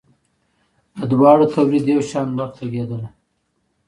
د دواړو په تولید یو شان وخت لګیدلی.